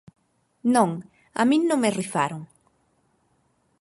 Non, a min non me rifaron.